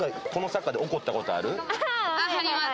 あります。